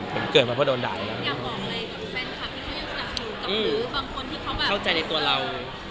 หรือบางคนที่เขาแบบเข้าใจในตัวเรา